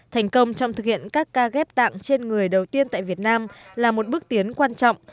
thành công trong thực hiện các ca ghép tạng trên người đầu tiên tại việt nam là một bước tiến quan trọng